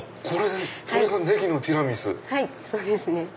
はいそうですね。